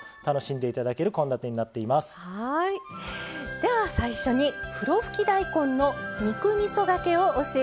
では最初にふろふき大根の肉みそがけを教えて頂きます。